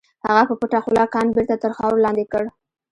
هغه په پټه خوله کان بېرته تر خاورو لاندې کړ.